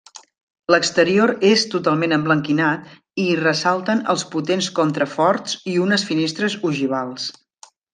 L'exterior és totalment emblanquinat i hi ressalten els potents contraforts i unes finestres ogivals.